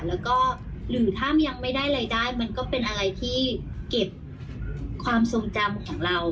แล้วก็หรือถ้ายังไม่ได้รายได้มันก็เป็นอะไรที่เก็บความทรงจำของเรา